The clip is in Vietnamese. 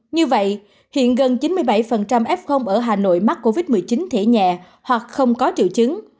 như vậy hiện gần chín mươi bảy f ở hà nội mắc covid một mươi chín thể nhẹ hoặc không có triệu chứng